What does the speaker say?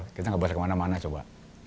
jadi kita bisa berbicara kemana mana coba